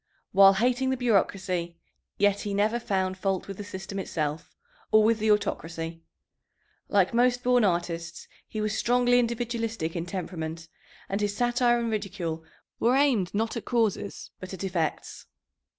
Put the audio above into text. While hating the bureaucracy, yet he never found fault with the system itself or with the autocracy. Like most born artists, he was strongly individualistic in temperament, and his satire and ridicule were aimed not at causes, but at effects.